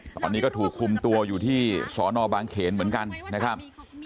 ตอนนี้ก็ถูกคุมตัวอยู่ที่สอนอบางเขนเหมือนกันนะครับ